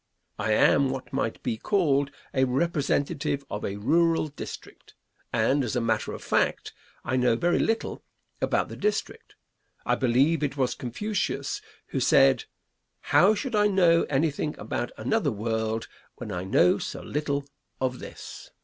I am what might be called a representative of a rural district, and, as a matter of fact, I know very little about the district. I believe it was Confucius who said: "How should I know anything about another world when I know so little of this?"